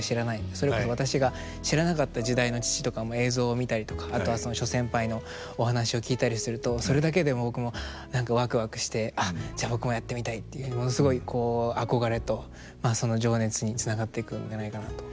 それこそ私が知らなかった時代の父とか映像を見たりとかあとは諸先輩のお話を聞いたりするとそれだけで僕も何かワクワクしてじゃあ僕もやってみたいっていうものすごい憧れとその情熱につながっていくんじゃないかなと。